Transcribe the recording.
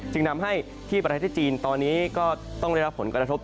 จึงทำให้ที่ประเทศจีนตอนนี้ก็ต้องได้รับผลกระทบ